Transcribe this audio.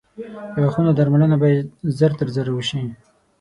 • د غاښونو درملنه باید ژر تر ژره وشي.